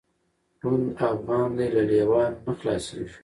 ړوند افغان دی له لېوانو نه خلاصیږي